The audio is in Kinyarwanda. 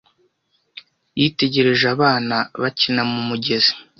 Yitegereje abana bakina mu mugezi.